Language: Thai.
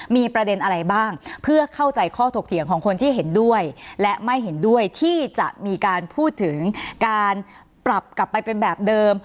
มีประเด็นอะไรบ้างเพื่อเข้าใจข้อถกเถียงของคนที่เห็นด้วยและไม่เห็นด้วยที่จะมีการพูดถึงการปรับกลับไปเป็นแบบเดิม